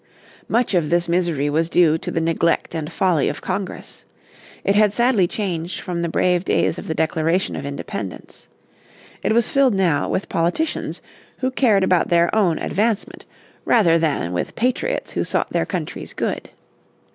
Much of this misery was due to the neglect and folly of Congress. It had sadly changed from the brave days of the Declaration of Independence. It was filled now with politicians who cared about their own advancement rather than with patriots who sought their country's good.